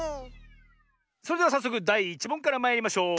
それではさっそくだい１もんからまいりましょう！